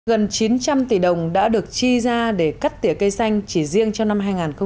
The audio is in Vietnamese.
gần chín trăm linh tỷ đồng đã được chi ra để cắt tỉa cây xanh chỉ riêng cho năm hai nghìn một mươi chín